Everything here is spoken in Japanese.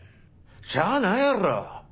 しゃあないやろ。